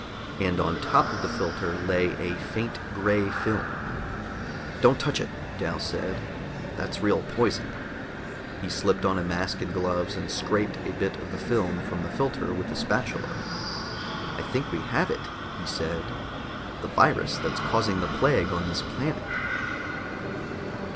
And on the top of the filter lay a faint gray film. "Don't touch it!" Dal said. "That's real poison." He slipped on a mask and gloves, and scraped a bit of the film from the filter with a spatula. "I think we have it," he said. "The virus that's causing the plague on this planet."